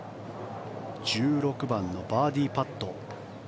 １６番のバーディーパット。